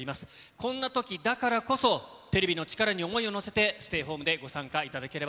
こんなときだからこそ、テレビの力に想いを乗せて、ステイホームでご参加いただけれ